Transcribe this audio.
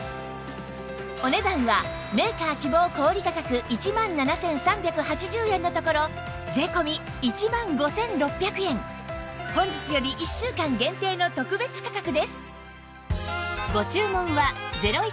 お値段はメーカー希望小売価格１万７３８０円のところ税込１万５６００円本日より１週間限定の特別価格です